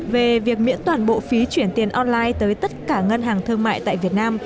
về việc miễn toàn bộ phí chuyển tiền online tới tất cả ngân hàng thương mại tại việt nam